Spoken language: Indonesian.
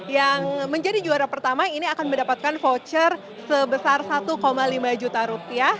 yang menjadi juara pertama ini akan mendapatkan voucher sebesar satu lima juta rupiah